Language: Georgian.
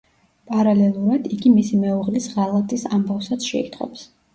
პარალელურად, იგი მისი მეუღლის ღალატის ამბავსაც შეიტყობს.